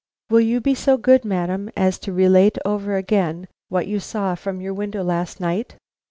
"Will you be so good, madam, as to relate over again, what you saw from your window last night?